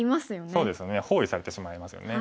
そうですね包囲されてしまいますよね。